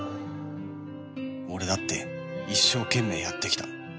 俺だって一生懸命やってきた